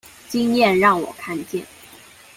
經驗讓我看見